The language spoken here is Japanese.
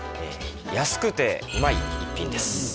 安くてうまい一品です